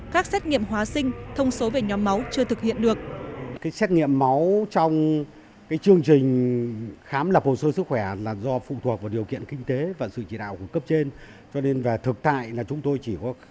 các xét nghiệm hóa sinh thông số về nhóm máu chưa thực hiện được